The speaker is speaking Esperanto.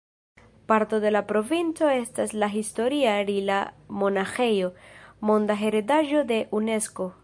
Parto de la provinco estas la historia Rila-monaĥejo, Monda Heredaĵo de Unesko.